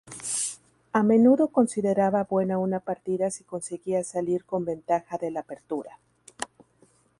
A menudo consideraba buena una partida si conseguía salir con ventaja de la apertura.